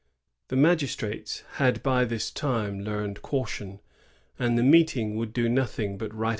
The magistrates had by this time learned caution, and the meeting would do nothing but write 1643.